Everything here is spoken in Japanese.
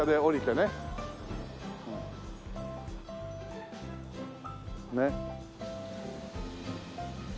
ねっ。